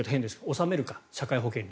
納めるか、社会保険料。